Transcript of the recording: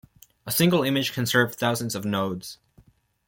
A single image can serve thousands of nodes.